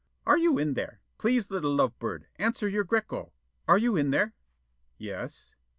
"Are you in there? Please, little love bird, answer your Greko. Are you in there?" "Yes."